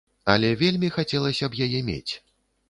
Але вельмі хацелася б яе мець.